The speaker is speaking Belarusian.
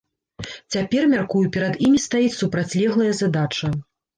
Цяпер, мяркую, перад імі стаіць супрацьлеглая задача.